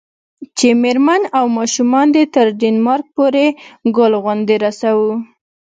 چې میرمن او ماشومان دې تر ډنمارک پورې ګل غوندې رسوو.